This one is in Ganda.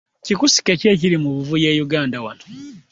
Kikkusike kki ekiri mubuvuyo e'uganda wano?